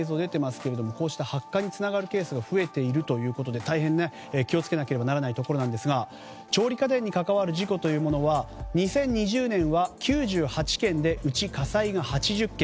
こうした発火につながるケースが増えているということで大変気を付けなければならないところですが調理家電に関わる事故は２０２０年は９８件でうち火災が８０件。